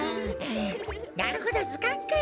なるほどずかんか。